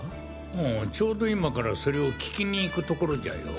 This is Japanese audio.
ああちょうど今からそれを聞きに行くところじゃよ。